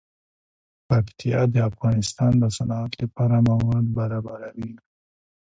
پکتیا د افغانستان د صنعت لپاره مواد برابروي.